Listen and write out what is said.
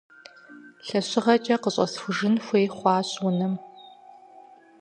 Лъэщыгъэкэ къыщӀэсхуэжын хуей хъуащ унэм.